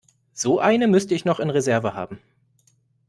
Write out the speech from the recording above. So eine müsste ich noch in Reserve haben.